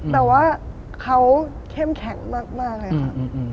แต่ว่าเขาเข้มแข็งมากเลยค่ะ